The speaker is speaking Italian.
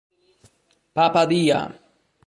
Papa Dia